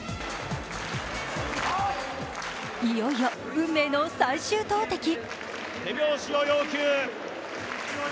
いよいよ運命の最終投てき。